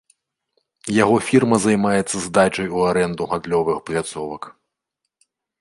Яго фірма займаецца здачай у арэнду гандлёвых пляцовак.